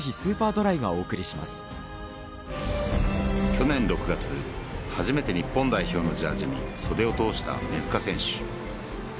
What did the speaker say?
去年６月初めて日本代表のジャージーに袖を通した根塚選手